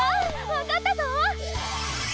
わかったぞ！